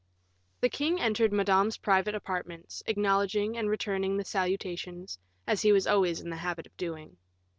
The king entered Madame's private apartments, acknowledging and returning the salutations, as he was always in the habit of doing.